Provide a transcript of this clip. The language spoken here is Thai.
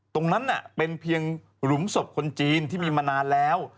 ตรงนั้นเป็นเพียงหลุมศพคนจีนที่มีมานานแล้ว